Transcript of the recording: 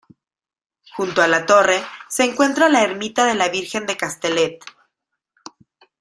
Junto a la torre se encuentra la ermita de la Virgen de Castellet.